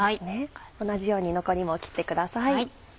同じように残りも切ってください。